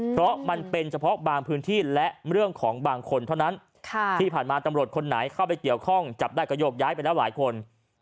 เพราะมันเป็นเฉพาะบางพื้นที่และเรื่องของบางคนเท่านั้นที่ผ่านมาตำรวจคนไหนเข้าไปเกี่ยวข้องจับได้ก็โยกย้ายไปแล้วหลายคน